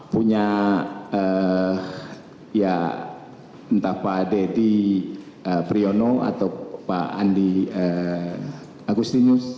punya ya entah pak deddy priyono atau pak andi agustinus